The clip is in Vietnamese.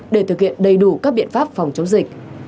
để thực hiện đầy đủ các biện pháp phòng chống dịch